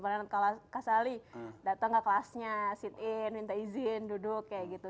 karena kasali datang ke kelasnya sit in minta izin duduk kayak gitu